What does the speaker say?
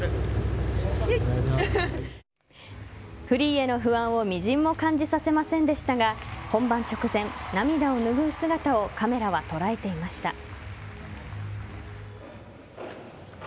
フリーへの不安をみじんも感じさせませんでしたが本番直前、涙をぬぐう姿をカメラは捉えていました。